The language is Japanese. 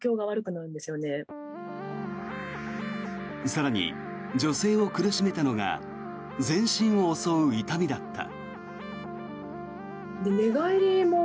更に、女性を苦しめたのが全身を襲う痛みだった。